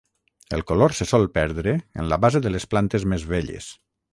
El color se sol perdre en la base de les plantes més velles.